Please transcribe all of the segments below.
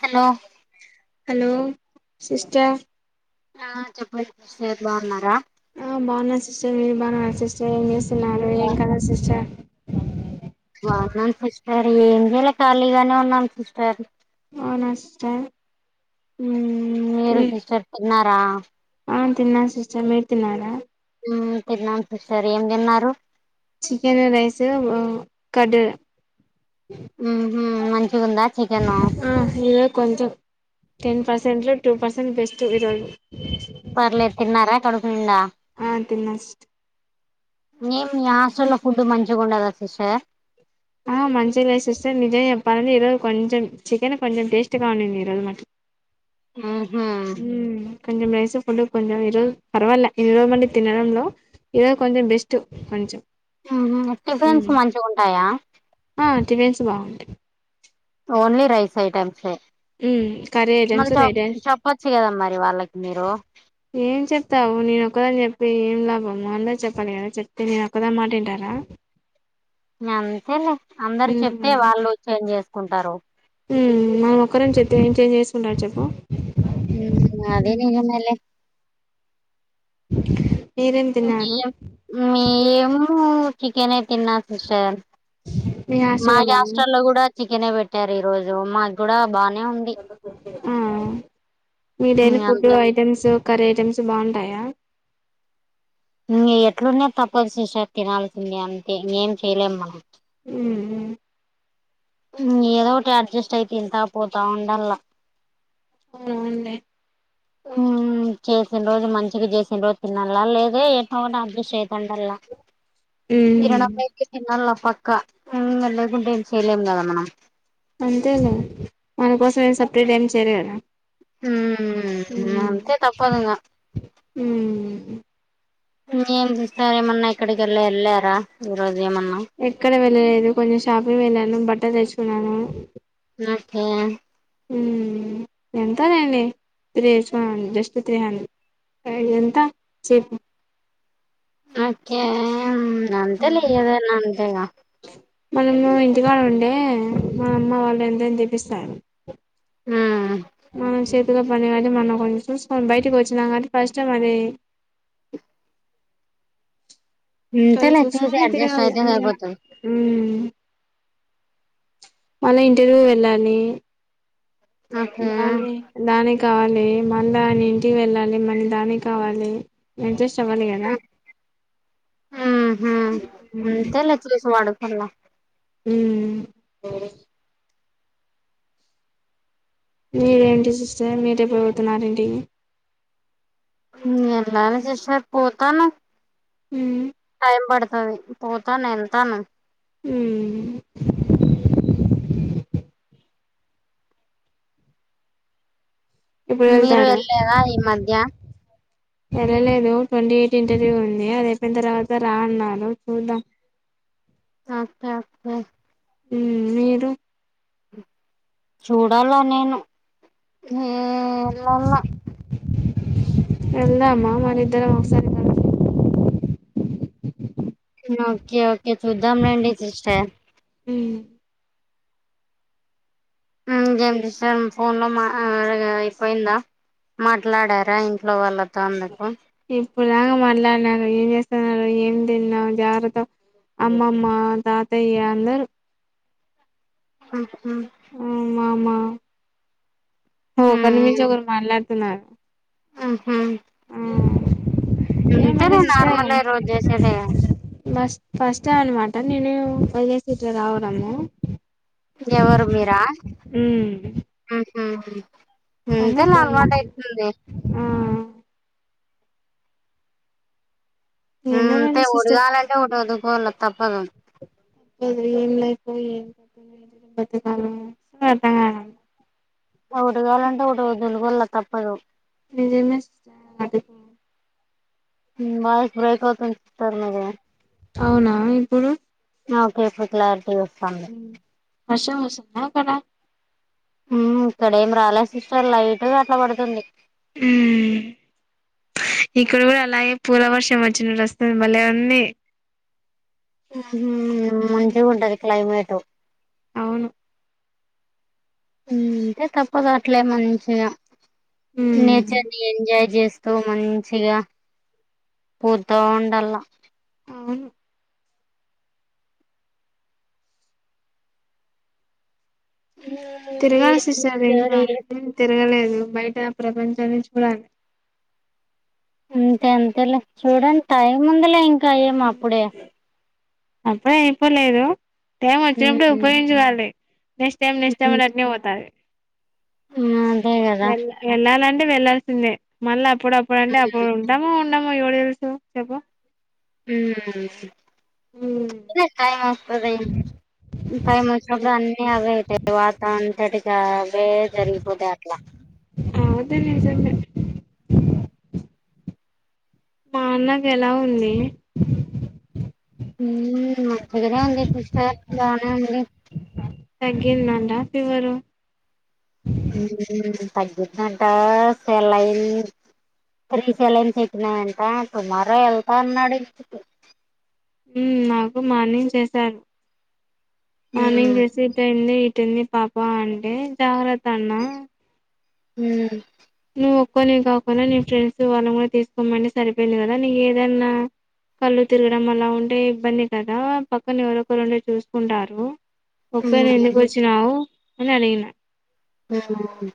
Hello hello sister ఆ చెప్పండి sister బాగున్నారా ఆ బాగున్నా సిస్టర్ మీరు బాగున్నార సిస్టర్ ఏం చేస్తున్నారు ఏం కద సిస్టర్ బావున్నాం సిస్టర్ ఏం జేయల ఖాళీగానే ఉన్నాం సిస్టర్ అవునా సిస్టర్ ఉ మీరు సిస్టర్ తిన్నారా అ తిన్నాను సిస్టర్ మీరు తిన్నారా ఊమ్ తిన్నాం సిస్టర్ ఏం తిన్నారు చికెన్ రైస్ ఉ కడ్ ఉహు ఊ మంచి ఆ ఇదె కొంచెం టెన్ పర్సెంట్ లో టూ పర్సెంట్ బెస్ట్ ఈరోజు పర్లేద్ తిన్నారా కడుపునిండా ఆ తిన్నా సిస్టర్ నేం మీ హాస్టల్లో ఫుడ్ మంచిగు ఉండదా సిస్టర్ ఆ మంచిగా లేదు సిస్టర్ నిజం చెప్పాలంటే ఈరోజు కొంచెం చికెన్ కొంచెం టేస్ట్ గా ఉన్నింది ఈ రోజు మట్ ఆ ఉ కొంచెం రైస్ ఫుడ్ కొంచెం ఈరోజు పర్వాల ఇన్ని రోజు తినడంలో ఈరోజు కొంచెం బెస్ట్ కొంచెం ఉహు టిఫిన్స్ మ్మ్ మంచిగ ఉంటాయా ఆ టిఫిన్స్ బాగుంటాయ్ ఓన్లీ రైస్ ఐటెమ్స్ ఏ హ్మ్ కర్రీ మళ్ళి ఐటమ్స్ చె రైట్ రైస్ చెప్పచ్చు గదా మరి వాళ్ళకి మీరు ఏం చెప్తావు నేను ఒక్కదాని చెప్ ఏం లాభము అందర్ చెప్పాలి కదా చెప్తే నీ ఒక్కదాని మాటే వింటారా అంతేలే అందరు చెప్తే హ్మ్ వాళ్ళు చేంజ్ చేసుకుంటారు మనం ఒక్కరని చెప్తే ఏం చేంజ్ చేసుకుంటాడు చెప్పు అదే నిజమేలే మీరేం తిన్నారు ఇయము మియము చికెనే తిన్నా సిస్టర్ మీ హాస్టల్ మా లో బాగుందా హాస్టల్లో కూడా చికెన్ పెట్ట పెట్టారు ఈ రోజు మాకు కూడా బా ఆ మీడైలి ఫుడ్ అంత ఐటెమ్స్ కర్రీ ఐటమ్స్ బాగుంటాయా ఎట్లున్నా తప్పదు సిస్టర్ తినాల్సిందె అంతే ఏం చెయలేం మనం ఊ ఏదో ఒకటి అడ్జస్ట్ అయి తింతా పోతా ఉండల్లా అవునవునులే ఊ చేసిన రోజు మంచిగా చేసిన రోజు తినల్ల లేదే ఏట్టో గట్ట అడ్జస్ట్ ఐతాండల్లా హ్మ్ కిరణపైకి తినల్ల పక్క హు లేకుంటే ఎం చేయలేం కద మనం అంతేలే మన కోసం ఏం సపరేట్ ఏం చేయరుగదా ఉమ్ అంతే తప్పదు ఇంగా హ్మ్ ఏం సిస్టర్ ఏమన్న ఏక్కడి కల్లా ఎల్లారా ఈరోజు ఎక్కడ వెళ్ళలేదు కొంచెం షాపింగ్ వెళ్ళాను బట్ట తెచ్చుకున్నాను నకే ఎంతలేండి త్రీ తెచ్చుకుండి జస్ట్ త్రీ హండ్రెడ్ ఎంత చెపు ఓకే అంతేలే ఏదన్న అంతేగా కొదిగా ఉండే మా అమ్మ వాళ్ళు ఎంతని తెపిస్తారు ఉమ్ ఆ చే కాటి మొన్న కొంచం బయటికి వచ్చినం కాబటి ఫస్ట్ టైం అది కానీ అంతేలే చూసి చూసుకొని అడ్జస్ట్ తిరగాల అయితే సరిపోతది ఊ మళ్ళా ఇంటర్వ్యూ వెళ్ళాలి ఓకే దారినీ దాని కావాలి మళ్ళ ఇంటికి వెళ్ళాలి మళ్ళీ దాని కావాలి ఇంట్రెస్ట్ ఆహా మ్మ్ అంతేలే తెలిసు వాడుకోళ్ల ఉమ్ మీరేంటి సిస్టర్ మీరేప్పుడు పోతున్నారు ఇంటికి వెళ్ళాలి సిస్టర్ పోతాను ఉ టైమ్ పడతాది పోతాను వెళ్తాను హ్మ్ ఇప్పుడు మీరు వెళ్తారా వెళ్ళారా ఈ మధ్య వెళ్లలేదు ట్వంటీ ఎయిట్ ఇంటర్వ్యూ ఉంది అది అయిపోయిన తర్వాత రా అన్నాను చూద్దాం ఓకే కే ఉ మీరు చూడాలా నేను హేయ్ ఎల్లల్లా ఎలదామా మరి ఇద్దరం ఒగసారి ఓకే ఓకే చూద్దాం లేండి సిస్టర్ ఉ ఇంకేం చేశారు ఫోన్ లో మా అయిపోయిందా మాట్లాడారా ఇంట్లో వాళ్ళతో అందుకు ఇప్పుడు దాక మాట్లాడిన ఏం చేస్తన్నారో ఏం తిన్నావు జాగ్రత్త అమ్మమ్మ తాతయ్య అందరు అ అ మామా ఒకరినిమించి ఒకరు మాట్లాడుతున్నారు మ్ హ్ మ్ అంతేలే నార్మలే రోజ్ చేసేదేగ బస్ ఫస్ట్ టైం అన్నమాట నేను ఫైస సీట్లో రావడము. ఎవరు మీరా మ్ హ్ అన్న ఇంతే పోయి అలవాటైతుంది ఆ మ్ అంతే ఎందులోని ఒకటి సిస్టర్ గాలంటే ఒకటి వలుదుకోలా తప్పదు. ఇది ఏం లైఫో ఏమో ఆ ఒకటి కావాలంటే ఒకటి వదుకోవాలా తప్పదు. నిజమే అది మీ వాయిస్ బ్రేక్ అవుతుంది సార్ మీది అవునా ఇప్పుడు ఆ ఓకే ఇప్పుడు క్లారిటీగ వర్షం వస్తుందా అక్కడ మ్ ఇక్కడేం రాలే సిస్టర్ లైట్గ అట్ల పడుతుంది. మ్ ఇక్కడ్ గుడా అలాగే పూల వర్షం వచ్చినట్ వస్తుంది బాలే అన్నీ మ్ మంచిగుంటది క్లైమేటు అవును మ్ అంతే తప్పదు అట్లే మంచిగా ఉమ్ నేచర్ని ఎంజాయ్ చేస్ స్తూ మంచిగ పోతా ఉండాల. అవును. తిరగాల్ సిస్టర్ ఇంక స్టోరీ నేన్ తిరగలేదు. ఇగో బయట ప్రపంచం నుంచి [inaudible] అంతే అంతెలే చూడండ్ టైం ఉందిలే ఇంకా అయ్యేం అప్పుడే అప్పుడే అయిపోలేదు టైం వచ్చినప్పుడు ఉమ్, ఉపయోగించుకోవాలి. నెక్స్ట్ టైం నెక్స్ట్ టైం ఉమ్, అద్ అట్నే పోతాది. ఉమ్, అదే కదా వెల్ వెళ్ళాలంటే వెళ్లాల్సిందే మళ్ళ అప్పుడప్పుడ్ అంటే అప్పుడు ఉంటామో ఉండమో ఎవర్కి తెల్సు చెప్పు మ్ టైమ్ టైమస్తది. టైం వచ్చినప్పుడు అన్నీ అవే అయితయి వాతావరణం వాటిక్ కావే జరిగిపోతయి అట్ల అదే నిజమే మా అన్నక్ ఎలా ఉందీ? మ్ మంచిగనే ఉంది కృష్ణా హెల్త్ బానే ఉంది. తగ్గిందంట ఫివరు మ్ తగ్గిందంట సెలైన్ త్రీ సెలైన్స్ ఎక్కినయంట టుమారో ఎళ్తా అన్నాడు ఇంటికి మ్ నాకు మార్నింగ్ చేశారు మార్నింగ్ హ్మ్ చేసి ఇటెళ్లీ పుట్టింది పాప అంటే జాగ్రత్తన్నా మ్ నువ్ ఒక్కొనివే కాకుండా నీ ఫ్రెండ్స్ వాళ్ళన్ కూడా తీస్కోమంటే సరిపోయింది కదా నీ ఏదన్నా కళ్ళు తిరగడం అలా ఉంటే ఇబ్బంది కదా పక్కన ఎవరో ఒకర్ ఉండి చూస్కుంటారు. ఒక్కన్వే హ్మ్ ఎందుకు వచ్చినావు అని అడిగిన మేనమామ్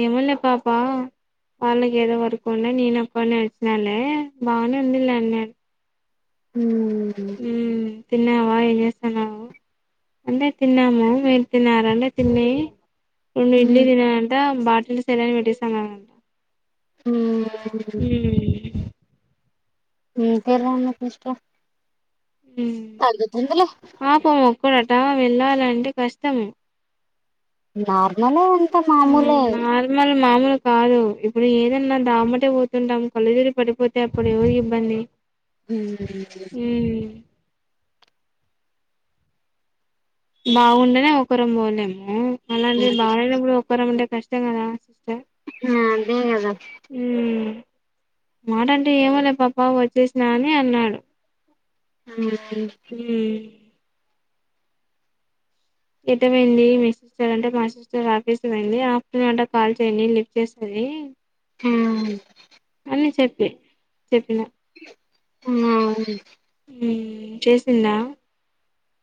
ఏమున్నద్ పాపా వాళ్ళకి ఏదో వర్క్ ఉన్నా నేనఒక్కన్నే వచ్చినాలే బాగానే ఉందిలె అన్నా ఉ తిన్నావా ఏం చేస్తాన్నావు అంటే తిన్నాము మీరు తిన్నార అంటే తిని రెండు ఇడ్లీ హ్మ్ తిననంట బాటిల్ సెలన్ పెట్టేసాన్నానంట ఊ ఇంకెలా ఉన్నవ్ ఫస్ట్ తగ్గుతుందిలే కూడా అట వెళ్ళాలంటే కష్టం నార్మలే ఉ నార్మల్ మామూలు కాదు ఇప్పుడు ఏదన్నా దామ్మటే పోతుంటాం కళ్లు తిరిగి పడిపోతే అప్పుడు ఎవరి ఇబ్బంది హు మ్మ్ బాగుండేనే ఒకరం పోలేము అలాంటిది బాలేనప్పుడు ఒకరం ఉంటే కష్టం కదా సిస్టర్ ఆ అదేగదా మ్మ్ మాట అంటే ఏమోలే పాప వచ్చేసినా అని అన్నాడు అ ఉ ఎటు పోయింది మీ సిస్టర్ అంటే మా సిస్టర్ ఆఫీస్ కి పోయింది ఆఫ్టర్నూన్ అంటే కాల్ చేయండి లిఫ్ చేస్తది ఏ హ చె చెప్పిన ఆవు హుమ్మ్ చేసిందా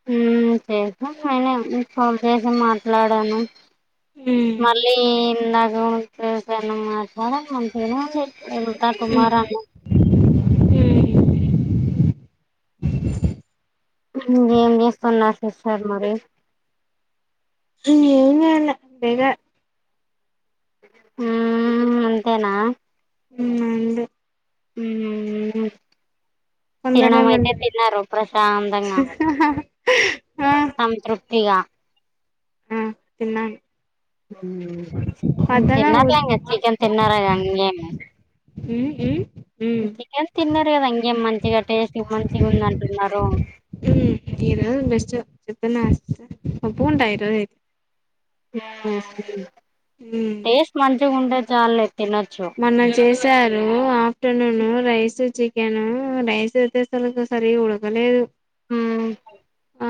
హుమ్మ్ చేసా నేన ఫోన్ చేసి మాట్లాడాను మ్మ్ మళ్ళీ నాకుట్లా [unintelligible] ఎంత ఏం కుమార్ అన్న ఏం చేస్తున్నార్ సిస్టర్ మరి ఎం జేయలా [unintelligible] హుమ్మ్ అంతేనా ఉ ఉంది హుమ్మ్ తినడం అయితే కొందరేమంటారు తిన్నారు ప్రశాంతంగా ఆ సంతృప్తిగా ఆ తిన్నాను పద్దన ఊరు మాట్లేలేం చికెన్ తిన్నారా ఇంగేమి ఉమ్ ఉమ్ చికెన్ తిన్నారు కదా ఇంకేం మంచిగా టేస్ట్ మంచిగ ఉంద అంటున్నారు ఈ రోజు బెస్ట్ చెప్తన్నా ఒప్పుకుంటా ఈరోజుయితే ఉమ్ టేస్ట్ మంచిగ ఉంటే చాల్లె తినొచ్చు చారు afternoon rice chicken rice అయితే అసలు సరిగ ఉడకలేదు మ్మ్ ఆ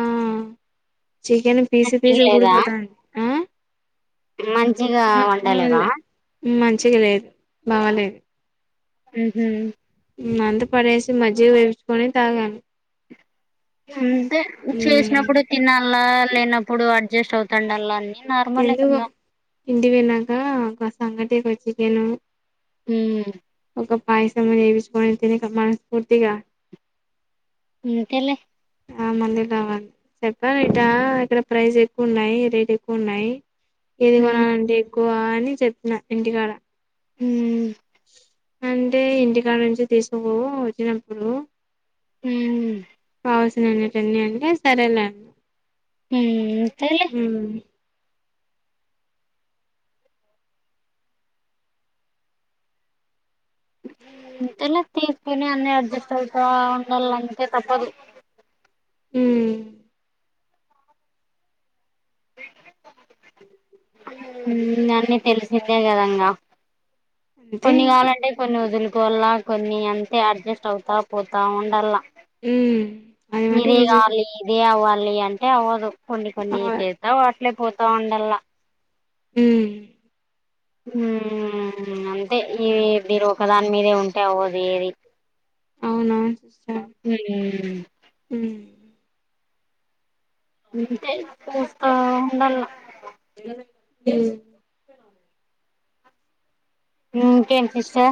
చికెన్ పీసి మంచిగా పీసికూ లేదా ఊడిపోతాంది ఆ మంచిగా వండలేవ చ్చిగా లేదు బాలేదు ఉహ్మ్ అంత పడేసి మజ్జిగ తెచ్చుకొని తాగా అంతే చేసినప్పుడే తినాల లేనప్పుడు అ అడ్జెస్ట్ అవుతుండల అన్నీ ఎందుకు ఇంటికివిన్నాక ఒక సంగటీ బజ్జితిను ఉమ్మ్ ఒక పాయసము ఏసుకోని తిని క మనస్ఫూర్తిగా ఇంతలే ఆ మంది కావాలి చెప్పావిటా ఇక్కడ ప్రైస్ ఎక్కువున్నాయి రేట్ ఎక్కువున్నాయి ఇది హ్మ్ కొనాలంటి ఎక్కువ అని చెప్పిన ఇంటికాడ ఉమ్మ్ అంటే ఇంటికాడ నుంచి తీసుకపొవో వచ్చినప్పుడు ఉమ్మ్ కోసినంన్నిటన్ని అంటే సరేలే ఉమ్మ్ తెలే ఉమ్ ఇంతాలా తీసుకొని అన్ని అడ్జస్ట్ అవుతా ఉండాలంటే తప్పదు ఉమ్మ్ అన్నీ తెలిసిందే కద ఇంగా అంతే కొన్ని ఇంకా కావలంటే కొన్ని వొదులు కోవాల్లా కొన్ని అంతే అడ్జస్ట్ అవుతా పోతా ఉండల్లా ఉమ్ అది మటుకు ఇది నిజమే కావాలి ఇది కావాలి అంటే అవ్వదు కొన్ని ఆ కొన్ని చేస్తా వాట్లే పోతా ఉండల్లా ఉమ్మ్ ఉమ్మ్ అంతే ఈ మీరు ఒక దాని మీదే ఉంటే అవ్వదు ఏది అవునవున్ స హ్మ్ ఉమ్మ్ అంతే చూస్త ఉండాల్లా ఉమ్ ఇంకేం సిస్టర్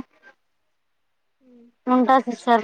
ఉమ్ ఉంటా సిస్టర్